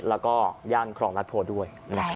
แล้วก็ย่านครองรัฐโพด้วย